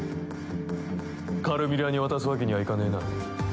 カルミラに渡すわけにはいかねえな。